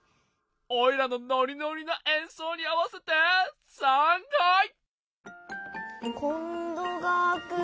おいらのノリノリなえんそうにあわせてさんはい！